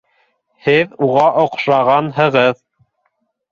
Һеҙ уға оҡшағанһығыҙ...